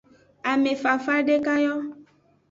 Amefafa dekayo.